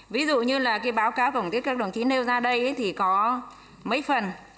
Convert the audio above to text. ví dụ như là cái báo cáo của các đồng chí nêu ra đây thì có mấy phần